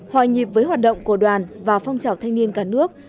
hòa nhịp với hoạt động của đoàn và phong trào thanh niên cả nước